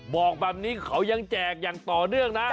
บอกแบบนี้เขายังแจกอย่างต่อเนื่องนะ